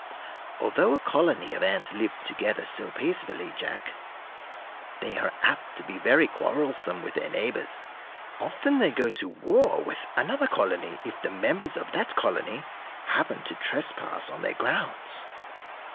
Although a colony of ants lives together so peacefully, Jack, they are apt to be very quarrelsome with their neighbors; often they go to war with another colony if the members of that colony happen to trespass on their grounds."